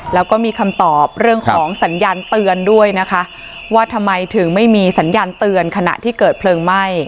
แล้วก็มีคำตอบเรื่องของสัญญาณเตือนด้วยนะคะว่าทำไมถึงไม่มีสัญญาณเตือนขณะที่เกิดเพลิงไหม้